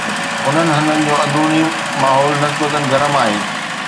انهن هنڌن جو اندروني ماحول نسبتا گرم آهي